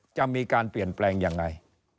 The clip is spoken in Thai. จะมีการเปลี่ยนแปลงยังไง